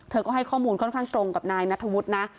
เธอก็ให้ข้อมูลค่อนข้างตรงกับนายนัทธวุฒินะ